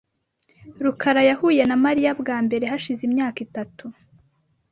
rukara yahuye na Mariya bwa mbere hashize imyaka itatu .